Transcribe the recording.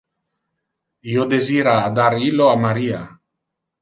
Io desira a dar illo a Maria.